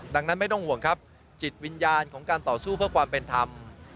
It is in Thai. ดังนั้นไม่ต้องห่วงครับจิตวิญญาณของการต่อสู้เพื่อความเป็นธรรม